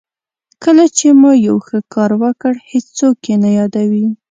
کله چې مو یو ښه کار وکړ هېڅوک یې نه یادوي.